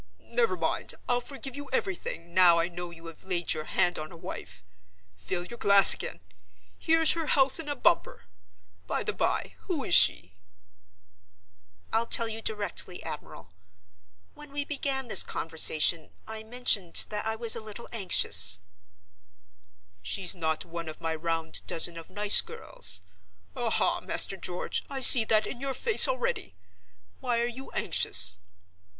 Never mind, I'll forgive you everything, now I know you have laid your hand on a wife. Fill your glass again. Here's her health in a bumper. By the by, who is she?" "I'll tell you directly, admiral. When we began this conversation, I mentioned that I was a little anxious—" "She's not one of my round dozen of nice girls—aha, Master George, I see that in your face already! Why are you anxious?"